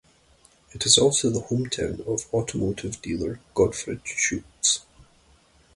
It is also the hometown of automotive dealer Gottfried Schultz.